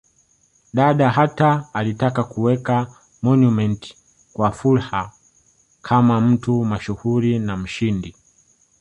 Dada hata alitaka kuweka monument kwa Fuhrer kama mtu mashuhuri na mshindi